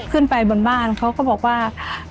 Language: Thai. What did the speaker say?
ขึ้นไปบนบ้านเขาก็บอกว่า